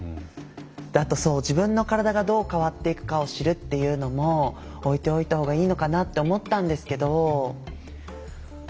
あと「自分の身体がどう変わっていくかを知る」っていうのも置いておいた方がいいのかなって思ったんですけど。